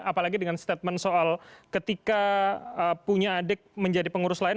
apalagi dengan statement soal ketika punya adik menjadi pengurus lain